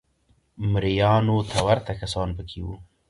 مریانو ته ورته کسان په کې وو